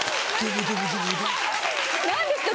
何ですか？